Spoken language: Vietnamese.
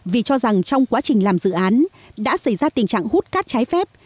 vì cho rằng trong quá trình làm dự án đã xảy ra tình trạng hút cát trái phép